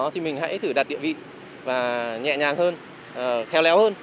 thì mình hãy thử đặt địa vị và nhẹ nhàng hơn khéo léo hơn